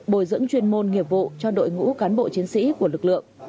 bồi dưỡng chuyên môn nghiệp vụ cho đội ngũ cán bộ chiến sĩ của lực lượng